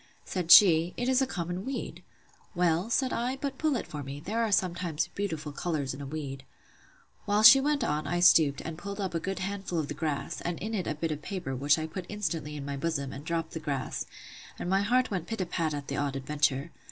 Said she, It is a common weed. Well, said I, but pull it for me; there are sometimes beautiful colours in a weed. While she went on, I stooped, and pulled up a good handful of the grass, and in it a bit of paper, which I put instantly in my bosom, and dropt the grass: and my heart went pit a pat at the odd adventure.